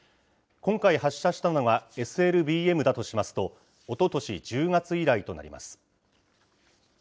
今回発射したのは、ＳＬＢＭだとしますと、おととし１０月以来となります。